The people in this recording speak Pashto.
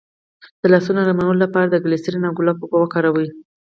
د لاسونو نرمولو لپاره د ګلسرین او ګلاب اوبه وکاروئ